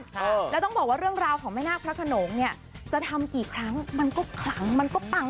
ค่ะแล้วต้องบอกว่าเรื่องราวของแม่นาคพระขนงเนี่ยจะทำกี่ครั้งมันก็ขลังมันก็ปัง